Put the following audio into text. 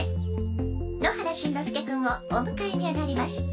野原しんのすけくんをお迎えにあがりました。